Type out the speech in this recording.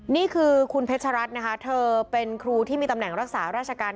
นี่คือคุณเพชรรัฐนะคะเธอเป็นครูที่มีตำแหน่งรักษาราชการ